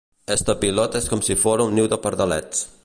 Este pilot és com si fora un niu de pardalets.